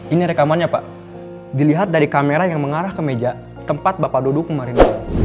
ini rekamannya pak dilihat dari kamera yang mengarah ke meja tempat bapak duduk kemarin